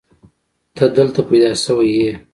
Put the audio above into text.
ته دلته پيدا شوې يې.